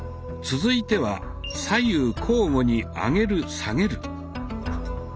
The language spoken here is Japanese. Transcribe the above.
続いては「左右交互に上げる・下げる」。